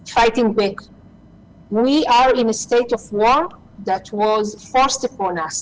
แล้วหลังจากนั้นเราจะได้รู้ทุกข้อมูล